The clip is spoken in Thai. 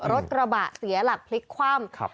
รถกระบะเสียหลักพลิกคว่ำ